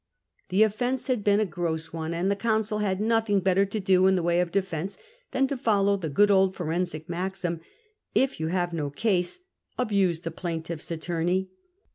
The offence had been a gross one, and the consul had nothing better to do in the way of defence than to follow the good old forensic maxim, If you have no case, abuse the plaintiff's attorney."